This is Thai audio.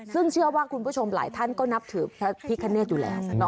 ซึ่งเชื่อว่าคุณผู้ชมหลายท่านก็นับถือพระพิคเนธอยู่แล้ว